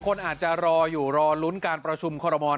คนอาจจะรออยู่รอลุ้นการประชุมคอรมอล